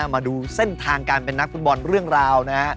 มาดูเส้นทางการเป็นนักฟุตบอลเรื่องราวนะฮะ